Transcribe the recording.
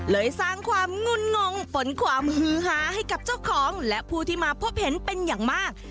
สร้างความงุ่นงงฝนความฮือฮาให้กับเจ้าของและผู้ที่มาพบเห็นเป็นอย่างมาก